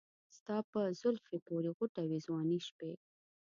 ستا په زلفې پورې غوټه وې ځواني شپې